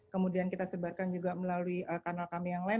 kemudian kita sebarkan juga melalui kanal kami yang lain